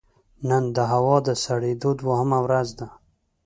نن د هوا د سړېدو دوهمه ورځ ده